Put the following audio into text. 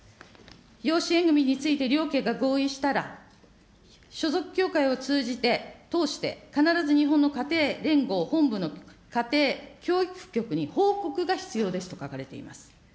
養子縁組みについて両家が合意したら、所属教会を通じて、通して、必ず日本の家庭連合本部のかてい教育局に報告が必要ですと書かれています。